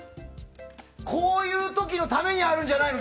こういう時のためにあるんじゃないの？